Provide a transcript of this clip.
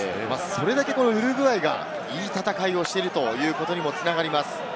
それだけウルグアイがいい戦いをしているということにも繋がります。